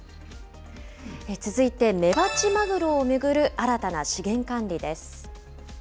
続いて、メバチマグロを巡る新たな資源管理です。